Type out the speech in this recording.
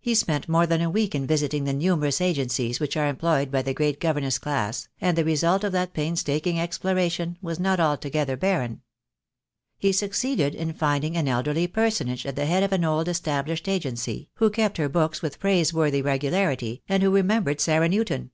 He spent more than a week in visiting the numerous agencies which are employed by the great governess class, and the result of that painstaking exploration was not altogether barren. He succeeded in finding an elderly personage at the head of an old established Agency, who kept her books with praiseworthy regularity, and who re membered Sarah Newton.